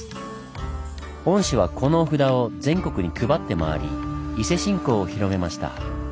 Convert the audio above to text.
御師はこのお札を全国に配って回り伊勢信仰を広めました。